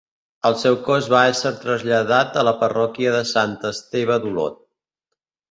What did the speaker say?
El seu cos va ésser traslladat a la parròquia de Sant Esteve d'Olot.